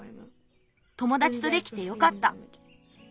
ともだちとできてよかった。